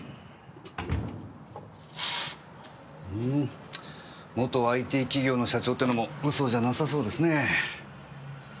うーん元ＩＴ企業の社長ってのも嘘じゃなさそうですねぇ。